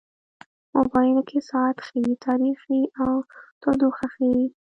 موبایل کې ساعت ښيي، تاریخ ښيي، او تودوخه ښيي.